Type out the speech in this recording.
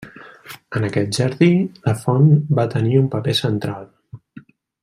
En aquest jardí, la font va tenir un paper central.